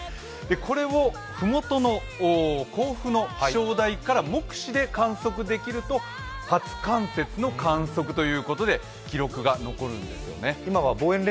これを麓の甲府の気象台から目視で観測できると初冠雪の観測ということで記録が残るんですよね。